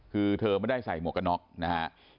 คือเธอไม่ได้ใส่หมวกกันน็อกนะครับ